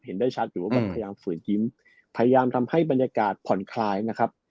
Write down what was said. เห็นได้ชัดอยู่ว่ามันพยายามฝืนยิ้มพยายามทำให้บรรยากาศผ่อนคลายนะครับ